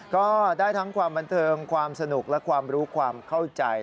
ก็ได้ทั้งความบันเทิงความสนุกและความรู้ความเข้าใจ